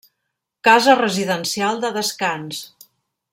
Casa residencial de descans.